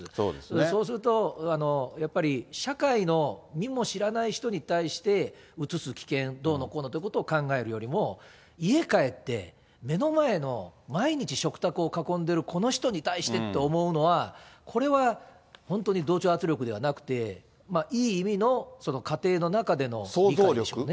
そうすると、やっぱり社会の見も知らない人に対して、うつす危険どうのこうのということを考えるよりも、家帰って、目の前の毎日食卓を囲んでるこの人に対してって思うのは、これは本当に同調圧力ではなくて、いい意味の家庭の中での理解でしょうね。